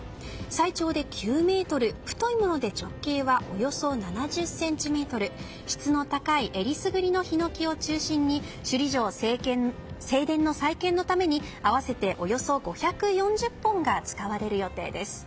最長で９ｍ太いもので直径はおよそ７０ｃｍ質の高いえりすぐりのヒノキを中心に首里城正殿の再建のために合わせておよそ５４０本が使われる予定です。